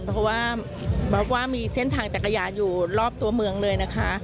เพราะว่ามีเส้นทางแตกยาอยู่รอบตัวเมืองเลยนะคะ